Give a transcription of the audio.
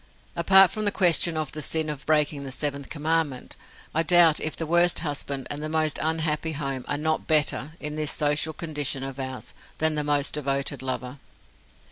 Apart from the question of the sin of breaking the seventh commandment, I doubt if the worst husband and the most unhappy home are not better, in this social condition of ours, than the most devoted lover.